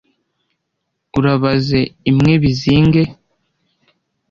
urabaze imwe bizinge